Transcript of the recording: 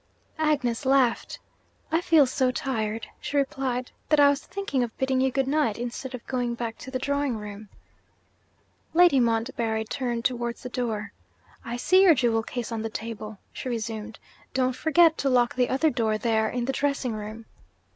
Agnes laughed. 'I feel so tired,' she replied, 'that I was thinking of bidding you good night, instead of going back to the drawing room.' Lady Montbarry turned towards the door. 'I see your jewel case on the table,' she resumed. 'Don't forget to lock the other door there, in the dressing room.'